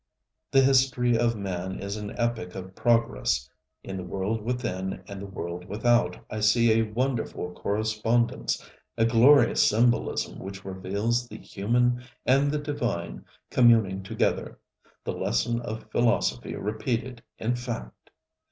The history of man is an epic of progress. In the world within and the world without I see a wonderful correspondence, a glorious symbolism which reveals the human and the divine communing together, the lesson of philosophy repeated in fact.